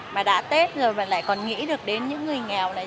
mà đã tết rồi mà lại còn nghĩ được đến những người nghèo này